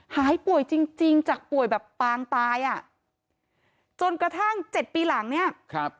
หายป่วยจริงจริงจากป่วยแบบปางตายอ่ะจนกระทั่งเจ็ดปีหลังเนี้ยครับ